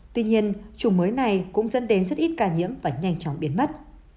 tuy nhiên chủng mới này cũng dẫn đến rất ít ca nhiễm và nhanh chóng biến mất